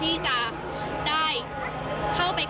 ตอนนี้เป็นครั้งหนึ่งครั้งหนึ่ง